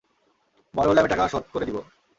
বড় হলে আমি বাকি টাকা শোধ করে দিব।